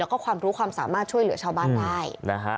แล้วก็ความรู้ความสามารถช่วยเหลือชาวบ้านได้นะฮะ